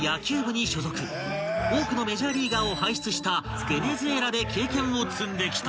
［多くのメジャーリーガーを輩出したベネズエラで経験を積んできた］